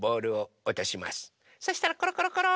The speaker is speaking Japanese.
そしたらコロコロコロ。